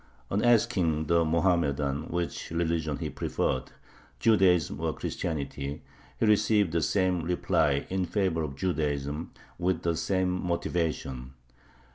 On asking the Mohammedan, which religion he preferred, Judaism or Christianity, he received the same reply in favor of Judaism, with the same motivation.